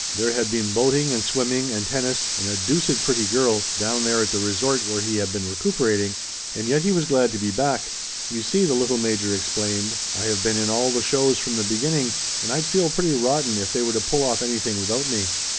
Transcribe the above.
There had been boating and swimming and tennis and "a deuced pretty girl" down there at the resort where he had been recuperating, and yet he was glad to be back. "You see," the little major explained, "I have been in all the shows from the beginning and I'd feel pretty rotten if they were to pull anything off without me.